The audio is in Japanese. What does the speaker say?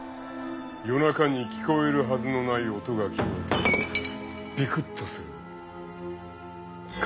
夜中に聞こえるはずのない音が聞こえてビクッとする。